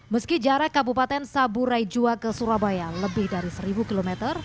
meski jarak kabupaten sabu raijua ke surabaya lebih dari seribu kilometer